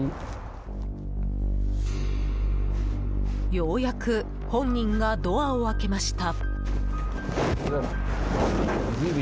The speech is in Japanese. ようやく本人がドアを開けました。